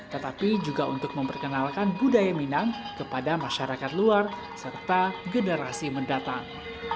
tetapi juga untuk memperkenalkan budaya minang kepada masyarakat luar serta generasi mendatang